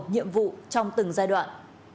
nhiệm vụ trong từng giai đoạn